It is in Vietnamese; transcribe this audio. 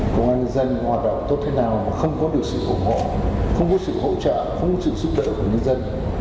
công an nhân dân hoạt động tốt thế nào mà không có được sự ủng hộ không có sự hỗ trợ không sự giúp đỡ của nhân dân